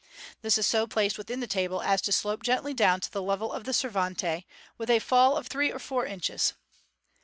This is so placed within the table, as to slope gently down to the level of the servante, with a fall of three or four inches.